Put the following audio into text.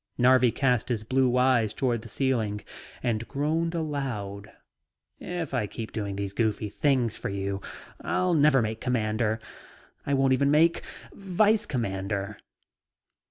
Narvi cast his blue eyes toward the ceiling and groaned aloud. "If I keep doing all these goofy things for you, I'll never make commander. I won't even make Vice commander."